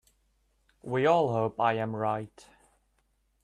We all hope I am right.